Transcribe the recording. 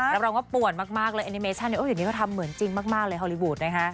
แล้วเราก็ป่วนมากเลยแอนิเมชั่นอย่างนี้ก็ทำเหมือนจริงมากเลยฮอลลีวูดนะฮะ